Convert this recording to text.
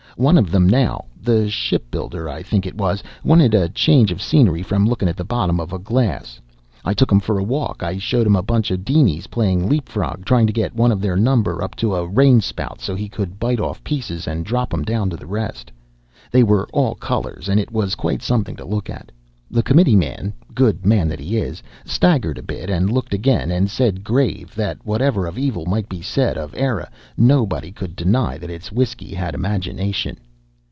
One of them now the shipbuilder I think it was wanted a change of scenery from lookin' at the bottom of a glass. I took him for a walk. I showed him a bunch of dinies playin' leapfrog tryin' to get one of their number up to a rain spout so he could bite off pieces and drop 'em down to the rest. They were all colors and it was quite somethin' to look at. The committeeman good man that he is! staggered a bit and looked again and said grave that whatever of evil might be said of Eire, nobody could deny that its whisky had imagination!"